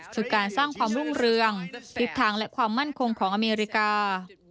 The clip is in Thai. คือการสร้างความรุ่งเรืองทิศทางและความมั่นคงของอเมริกา